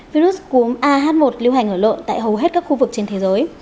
virus cúm a h một lưu hành ở lợn tại hầu hết các khu vực trên thế giới